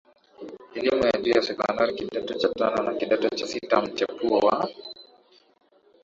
elimu ya juu ya sekondari kidato cha tano na kidato cha sita mchepuo wa